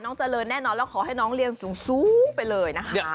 เจริญแน่นอนแล้วขอให้น้องเรียนสูงไปเลยนะคะ